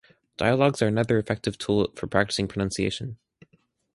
Dialogues are another effective tool for practicing pronunciation.